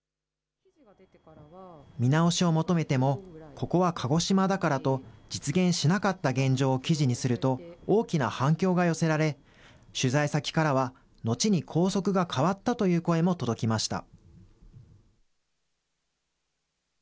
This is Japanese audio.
見直しを求めても、ここは鹿児島だからと、実現しなかった現状を記事にすると、大きな反響が寄せられ、取材先からは、後に校則が変わったという声も届きました。